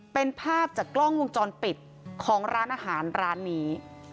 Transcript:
เป็นภาพจากกล้องวงจรปิดของร้านอาหารร้านนี้